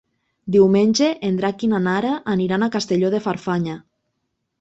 Diumenge en Drac i na Nara aniran a Castelló de Farfanya.